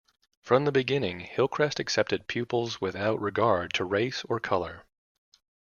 From the beginning, Hillcrest accepted pupils without regard to race or colour.